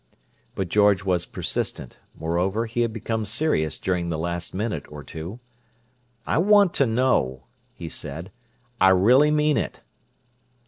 But George was persistent; moreover, he had become serious during the last minute or two. "I want to know," he said. "I really mean it."